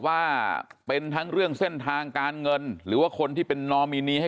ว่าเป็นทั้งเรื่องเส้นทางการเงินหรือว่าคนที่เป็นนอมินีให้